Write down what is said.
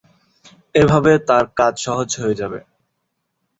এভাবে তাঁর কাজ সহজ হয়ে যাবে।